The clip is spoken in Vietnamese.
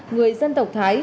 người dân tộc thái